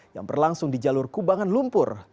yang berlangsung di jalur kubangan lumpur